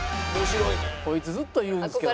こいつずっと言うんですけどね。